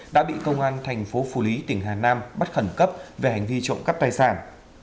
đã bị công an tp phù lý tỉnh hà nam bắt khẩn cấp về hành vi trộn cắp tài sản